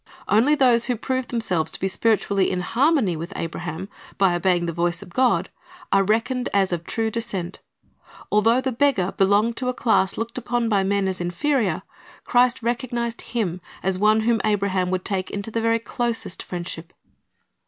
Only those who prove themselves to be .spiritually in harmony with Abraham by obeying the voice of God, are reckoned as of true descent. Although the beggar belonged to the class looked upon by men as inferior, Christ recognized him as one whom Abraham would take into the very closest friendship.